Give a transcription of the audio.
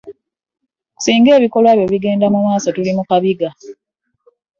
Ssinga ebikolwa ebyo bigenda mu maaso, tuli mu kabiga.